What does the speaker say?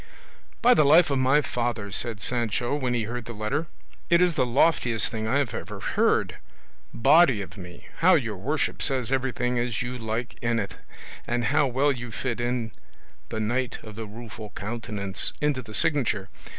"By the life of my father," said Sancho, when he heard the letter, "it is the loftiest thing I ever heard. Body of me! how your worship says everything as you like in it! And how well you fit in 'The Knight of the Rueful Countenance' into the signature.